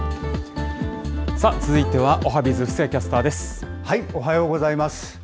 続いてはおはＢｉｚ、おはようございます。